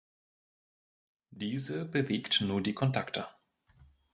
Diese bewegt nur die Kontakte.